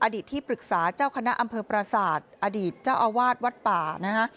ที่ปรึกษาเจ้าคณะอำเภอประสาทอดีตเจ้าอาวาสวัดป่านะฮะ